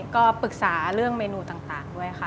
ก็ปรึกษาเรื่องเมนูต่างด้วยค่ะ